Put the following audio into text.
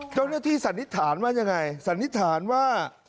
เจ้าเรื่องที่สันนิษฐานว่าอย่างไรสันนิษฐานว่า